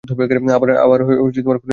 আবার কোনদিন দেখা হবে, ডেভ।